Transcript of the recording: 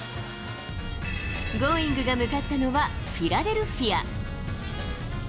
Ｇｏｉｎｇ！が向かったのはフィラデルフィア。